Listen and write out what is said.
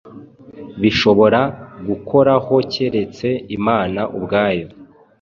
bishobora gukorahokeretse Imana ubwayo